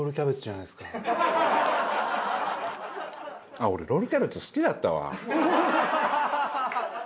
あっ俺ロールキャベツ好きだったわ。